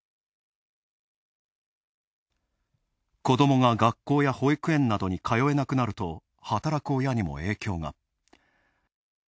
子どもが学校や保育園などに通えなくなると働く親にも影響が。